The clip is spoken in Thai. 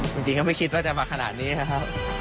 จริงก็ไม่คิดว่าจะมาขนาดนี้นะครับ